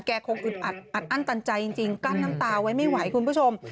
คงอึดอัดอั้นตันใจจริงกั้นน้ำตาไว้ไม่ไหวคุณผู้ชม